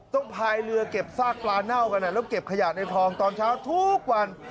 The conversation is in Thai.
พายเรือเก็บซากปลาเน่ากันแล้วเก็บขยะในคลองตอนเช้าทุกวัน